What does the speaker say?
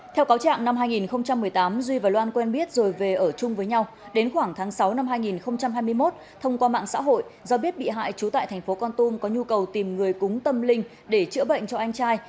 theo cáo trạng năm hai nghìn một mươi tám duy và loan quen biết rồi về ở chung với nhau đến khoảng tháng sáu năm hai nghìn hai mươi một thông qua mạng xã hội do biết bị hại trú tại thành phố con tum có nhu cầu tìm người cúng tâm linh để chữa bệnh cho anh trai